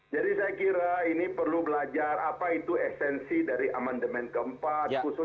jadi saya kira ini perlu belajar apa itu esensi dari amendement keempat